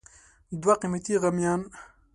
دوه قیمتي غمیان